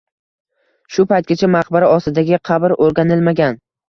Shu paytgacha maqbara ostidagi qabr o’rganilmagan.